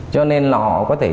cho nên là họ có thể